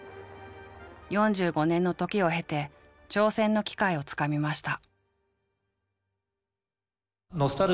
４５年の時を経て挑戦の機会をつかみました。